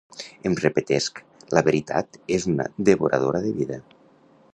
Em repetesc: la veritat és una devoradora de vida.